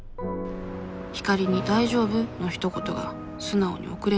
光莉に「大丈夫？」のひと言が素直に送れない問題。